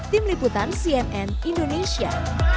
tim liputan cnn indonesia